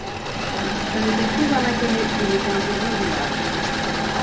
Ce n’était plus un inconnu, il était intégré au village.